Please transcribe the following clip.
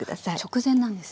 直前なんですね。